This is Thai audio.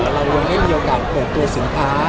เรายังได้มีโอกาสเปิดตัวสินค้า